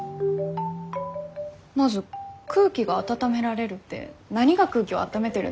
まず空気が温められるって何が空気を温めてるんですか？